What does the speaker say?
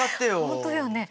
本当よね。